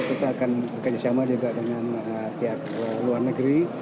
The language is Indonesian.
kita akan bekerjasama juga dengan pihak luar negeri